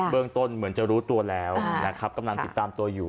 เรื่องต้นเหมือนจะรู้ตัวแล้วนะครับกำลังติดตามตัวอยู่